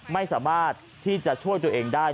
ไม่สามารถที่จะช่วยตัวเองได้